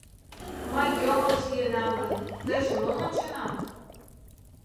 Мый йоҥылыш лийынам гын, тыйже мом онченат?